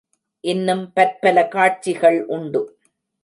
இன்னும் பற்பல காட்சிகள் உண்டு.